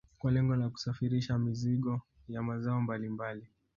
Kwa lengo la kusafirisha mizigo ya mazao mbalimbali